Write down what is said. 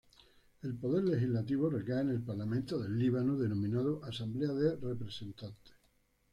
El poder legislativo recae en el Parlamento del Líbano, denominado Asamblea de Representantes.